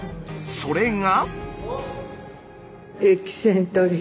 それが。